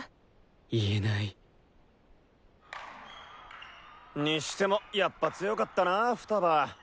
言えないにしてもやっぱ強かったなふたば。